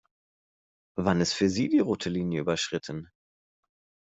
Wann ist für Sie die rote Linie überschritten?